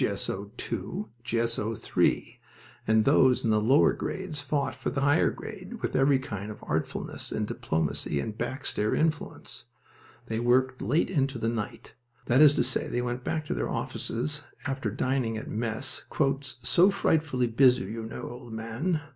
S.O. II, G.S.O. III, and those in the lower grades fought for a higher grade with every kind of artfulness, and diplomacy and back stair influence. They worked late into the night. That is to say, they went back to their offices after dining at mess "so frightfully busy, you know, old man!"